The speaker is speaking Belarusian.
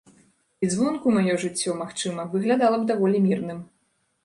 І звонку маё жыццё, магчыма, выглядала б даволі мірным.